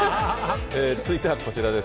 続いてはこちらです。